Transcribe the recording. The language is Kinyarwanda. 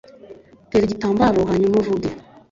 tera igitambaro hanyuma uvuge